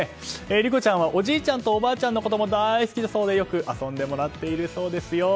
琳子ちゃんはおじいちゃんとおばあちゃんのことも大好きだそうでよく遊んでもらっているそうですよ。